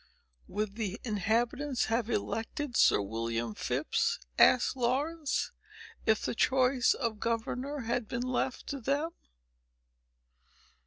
"Would the inhabitants have elected Sir William Phips," asked Laurence, "if the choice of governor had been left to them?"